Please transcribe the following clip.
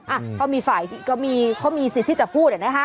อะเขามีฝ่ายก็มีสิทธิที่จะพูดอะนะคะ